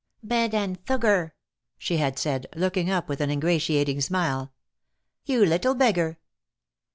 "Bed and thugar," she had said, looking up with an ingratiating smile. "You little beggar!"